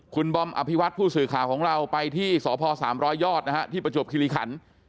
คุณบอมอภิวัตผู้สื่อข่าวของเราไปที่สพ๓๐๐ยอดนะฮะที่ประจวบคิริขัน